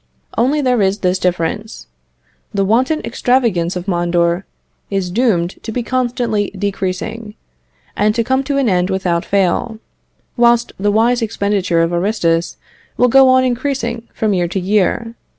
Only there is this difference: the wanton extravagance of Mondor is doomed to be constantly decreasing, and to come to an end without fail; whilst the wise expenditure of Aristus will go on increasing from year to year.